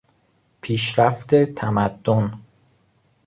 پیشرفت تمدن